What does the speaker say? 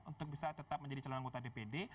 untuk bisa tetap menjadi calon anggota dpd